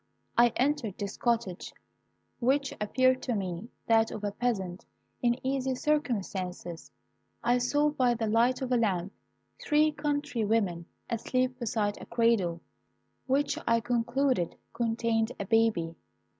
I entered this cottage, which appeared to me that of a peasant in easy circumstances. I saw by the light of a lamp three country women asleep beside a cradle, which I concluded contained a baby.